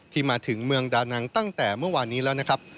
มาถึงเมืองดานังตั้งแต่เมื่อวานนี้แล้วนะครับ